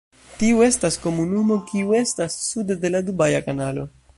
Tiu estas komunumo kiu estas sude de la Dubaja Kanalo.